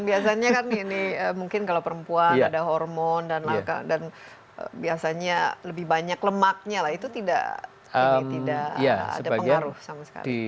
biasanya kan ini mungkin kalau perempuan ada hormon dan langka dan biasanya lebih banyak lemaknya lah itu tidak ada pengaruh sama sekali